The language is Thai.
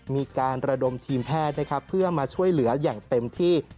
มีการระดมทีมแพทย์นะครับเพื่อมาช่วยเหลืออย่างเต็มที่